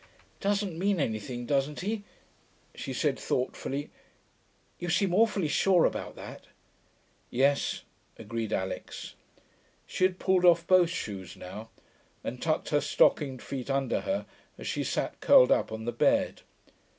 'Doesn't mean anything, doesn't he?' she said thoughtfully. 'You seem awfully sure about that.' 'Yes,' agreed Alix. She had pulled off both shoes now, and tucked her stockinged feet under her as she sat curled up on the bed.